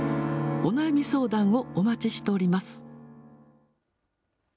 お悩み相談をお待ちしております。